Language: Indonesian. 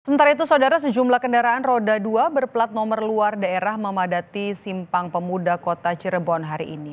sementara itu saudara sejumlah kendaraan roda dua berplat nomor luar daerah memadati simpang pemuda kota cirebon hari ini